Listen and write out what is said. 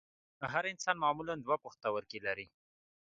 هر انسان معمولاً دوه پښتورګي لري